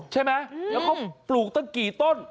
ใช่ไหมแล้วเขาปลูกตั้งกี่ต้น